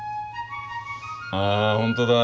あ本当だ。